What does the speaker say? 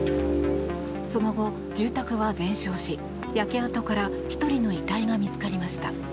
その後、住宅は全焼し焼け跡から１人の遺体が見つかりました。